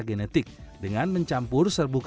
genetik dengan mencampur serbuk